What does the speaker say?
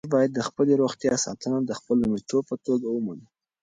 موږ باید د خپلې روغتیا ساتنه د خپل لومړیتوب په توګه ومنو.